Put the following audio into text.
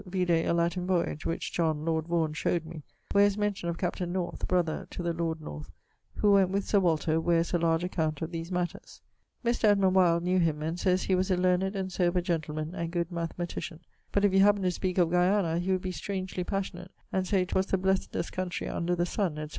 Vide a Latin voyage which John, lord Vaughan, showed me, where is mention of captaine North (brother to the lord North) who went with Sir Walter, where is a large account of these matters. Mr. Edmund Wyld knew him and sayes he was a learned and sober gentleman and good mathematician, but if you happened to speake of Guiana he would be strangely passionate and say 'twas 'the blessedst countrey under the sun,' etc.